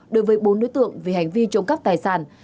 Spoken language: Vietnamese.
đối với bốn đối tượng vì hành vi trộm cắp tài sản